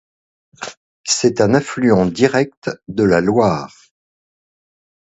C'est un affluent direct de la Loire.